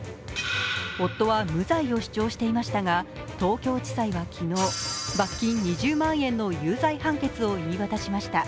夫は無罪を主張していましたが東京地裁は昨日、罰金２０万円の有罪判決を言い渡しました。